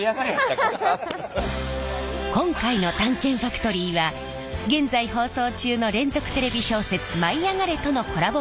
今回の「探検ファクトリー」は現在放送中の連続テレビ小説「舞いあがれ！」とのコラボ